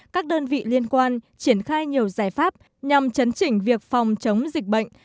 các đơn vị liên quan triển khai nhiều giải pháp nhằm chấn chỉnh việc phòng chống dịch bệnh